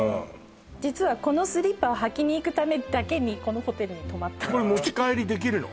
実はこのスリッパを履きにいくためだけにこのホテルに泊まったこれ持ち帰りできるの？